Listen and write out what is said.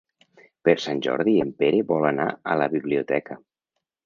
Per Sant Jordi en Pere vol anar a la biblioteca.